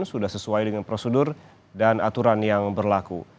sudah sesuai dengan prosedur dan aturan yang berlaku